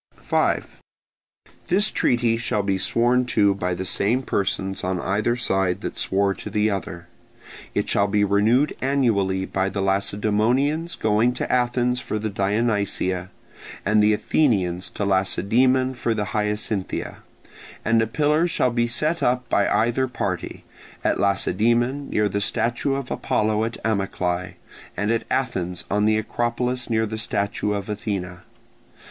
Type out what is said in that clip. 5. This treaty shall be sworn to by the same persons on either side that swore to the other. It shall be renewed annually by the Lacedaemonians going to Athens for the Dionysia, and the Athenians to Lacedaemon for the Hyacinthia, and a pillar shall be set up by either party: at Lacedaemon near the statue of Apollo at Amyclae, and at Athens on the Acropolis near the statue of Athene.